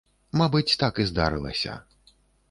Мабыць, так і здарылася.